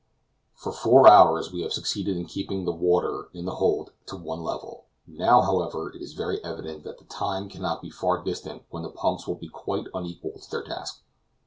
For four hours we have succeeded in keeping the water in the hold to one level; now, however, it is very evident that the time cannot be far distant when the pumps will be quite unequal to their task.